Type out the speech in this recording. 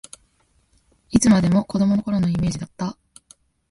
いつまでも子どもの頃のイメージだった